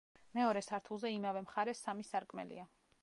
მეორე სართულზე, იმავე მხარეს, სამი სარკმელია.